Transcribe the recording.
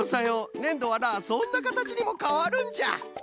ねんどはなそんなかたちにもかわるんじゃ！